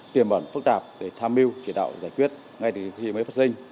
tiềm bẩn phức tạp để tham mưu triển đạo giải quyết ngay từ khi mới phát sinh